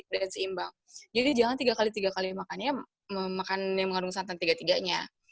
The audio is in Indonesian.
dan seimbang jadi jangan tiga kali tiga kali makannya makannya yang mengandung santan tiga tiganya